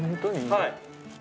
はい。